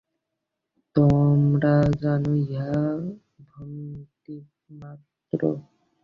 তোমরা জান, ইহা ভ্রান্তিমাত্র।